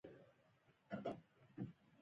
اسونه د بزکشۍ لپاره ساتل کیږي.